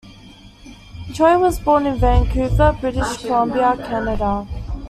Choi was born in Vancouver, British Columbia, Canada.